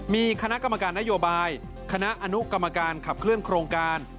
มีคณะกรรมการนโยบายคณะอนุกรรมการขับเคลื่อนโครงการ